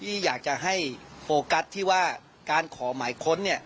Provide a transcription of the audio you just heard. ที่อยากจะให้โฟกัสที่ว่าการขอหมายค้นเนี่ย